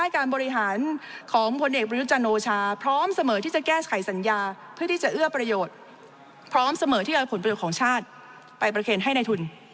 แก้ไขสัญญาเพื่อที่จะเอื้อประโยชน์พร้อมเสมอที่เอาผลประโยชน์ของชาติไปประเครนให้ในทุน